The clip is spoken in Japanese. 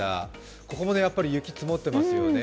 ここも雪積もってますよね。